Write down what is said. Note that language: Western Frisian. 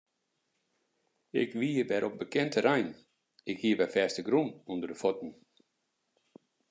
Ik wie wer op bekend terrein, ik hie wer fêstegrûn ûnder de fuotten.